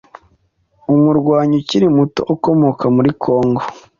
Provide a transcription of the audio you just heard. umurwanyi ukiri muto ukomoka muri kongo